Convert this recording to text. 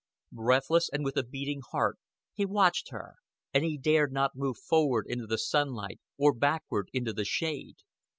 Breathless and with a beating heart, he watched her, and he dared not move forward into the sunlight or backward into the shade.